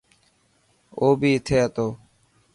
او بي اٿي هتو.